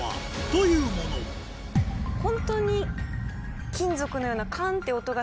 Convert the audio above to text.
ホントに金属のような。